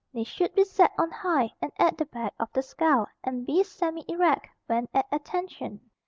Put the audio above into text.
They should be set on high and at the back of the skull and be semi erect when at attention.